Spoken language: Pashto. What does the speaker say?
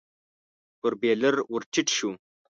پر بېلر ور ټيټ شو.